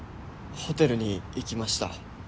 ホテルに行きました。